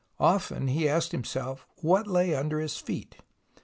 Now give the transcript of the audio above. Often he asked himself what lay \mder his feet.